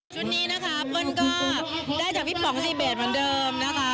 นี้นะคะเปิ้ลก็ได้จากพี่ป๋องซีเบสเหมือนเดิมนะคะ